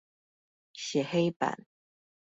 寫黑板